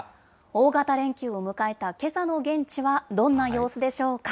大型連休を迎えたけさの現地はどんな様子でしょうか。